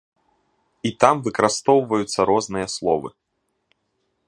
І там выкарыстоўваюцца розныя словы.